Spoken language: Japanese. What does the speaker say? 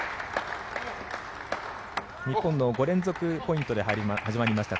日本の５連続ポイントで始まりました